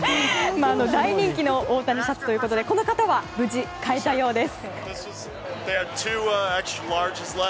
大人気の大谷シャツということでこの方は無事、買えたようです。